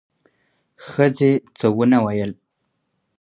ښځې څه ونه ویل: